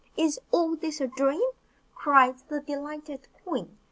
"Is all this a dream?" cried the delighted queen.